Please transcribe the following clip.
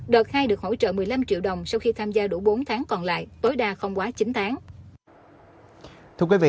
đợt hai được hỗ trợ một mươi năm triệu đồng sau khi tham gia đủ bốn tháng còn lại tối đa không quá chín tháng